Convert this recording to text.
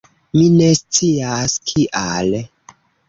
Mi ne scias kial.